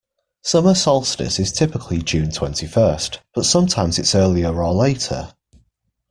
Summer solstice is typically June twenty-first, but sometimes it's earlier or later.